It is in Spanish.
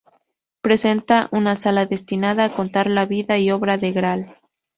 Presenta una sala destinada a contar la vida y obra del Gral.